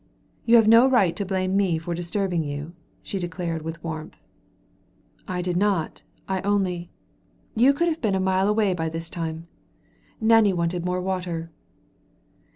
"You have no right to blame me for disturbing you," she declared with warmth. "I did not. I only " "You could have been a mile away by this time. Nanny wanted more water."